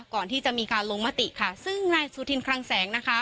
ก่อนที่จะมีการลงมติค่ะซึ่งนายสุธินคลังแสงนะคะ